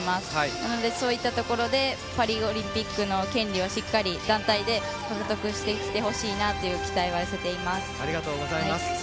なのでそういったところでパリオリンピックの権利をしっかり団体で獲得してきてほしいなというありがとうございます。